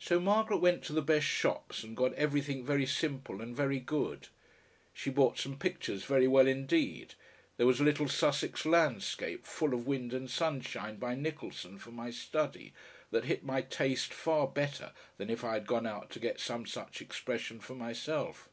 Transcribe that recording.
So Margaret went to the best shops and got everything very simple and very good. She bought some pictures very well indeed; there was a little Sussex landscape, full of wind and sunshine, by Nicholson, for my study, that hit my taste far better than if I had gone out to get some such expression for myself.